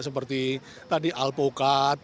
seperti tadi alpukat